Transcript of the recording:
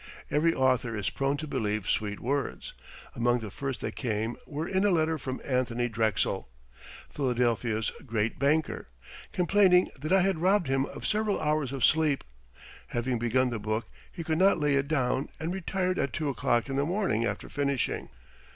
Every author is prone to believe sweet words. Among the first that came were in a letter from Anthony Drexel, Philadelphia's great banker, complaining that I had robbed him of several hours of sleep. Having begun the book he could not lay it down and retired at two o'clock in the morning after finishing.